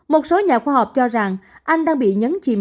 một số nhà khoa học cho rằng anh đang bị nhấn chìm